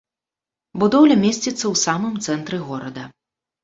Будоўля месціцца ў самым цэнтры горада.